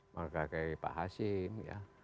menghargai pak hashim ya